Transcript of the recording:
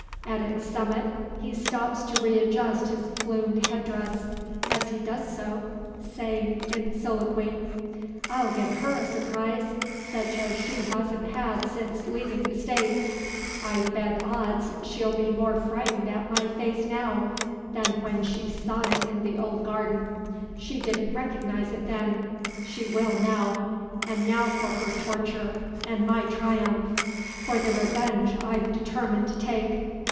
At its summit he stops to readjust his plumed head dress, as he does so, saying in soliloquy: "I'll give her a surprise, such as she hasn't had since leaving the States. I'd bet odds she'll be more frightened at my face now, than when she saw it in the old garden. She didn't recognise it then; she will now. And now for her torture, and my triumph: for the revenge I've determined to take.